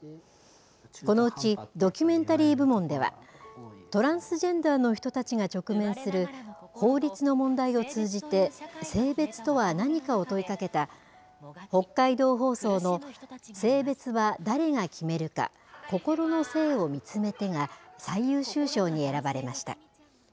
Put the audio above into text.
このうちドキュメンタリー部門では、トランスジェンダーの人たちが直面する法律の問題を通じて、性別とは何かを問いかけた、北海道放送の性別は誰が決めるか「心の生」をみつめてが最優秀賞に選ばれました。